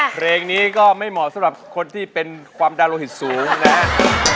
เพลงนี้ก็ไม่เหมาะสำหรับคนที่เป็นความดาโลหิตสูงนะครับ